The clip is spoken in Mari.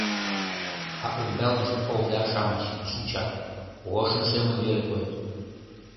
А ӱмбалнышт овда-шамыч шинчат, ошын-шемын веле койыт.